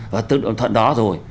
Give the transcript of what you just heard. và từ đồng thuận đó rồi